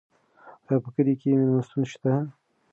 ایا په کلي کې مېلمستون شته؟